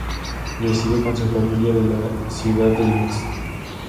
Reside con su familia en la ciudad de Lugansk.